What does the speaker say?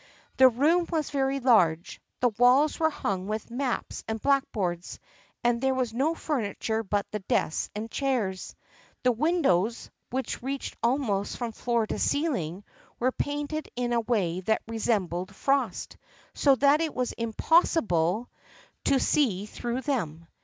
The room was very large, the walls were hung with maps and blackboards, and there was no furniture but the desks and chairs. The windows, which reached almost from floor to ceiling, were painted in a way that resembled frost, so that it was impossible 40 THE FEIENDSHIP OF ANNE to see through them.